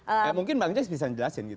eh mungkin mbak anies bisa jelasin gitu